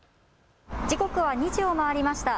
時刻は２時を回りました。